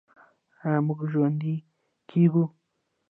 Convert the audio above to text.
آیا موږ ژوندي کیږو؟